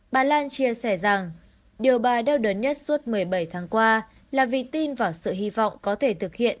bà lan chia sẻ rằng điều bà đeo đớn nhất suốt một mươi bảy tháng qua là vì tin vào sự hy vọng có thể thực hiện